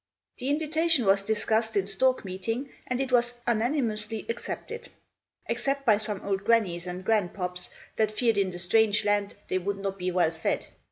The invitation was discussed in stork meeting, and it was unanimously accepted; except by some old grannies and grandpops that feared in the strange land they would not be well fed.